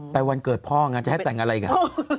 ไปวันเกิดพ่องานจะให้แต่งอะไรกัน